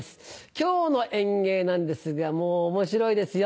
今日の演芸なんですがもう面白いですよ。